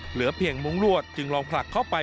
เหลือเพียงมุ้งลวดจึงลองผลักเข้าไป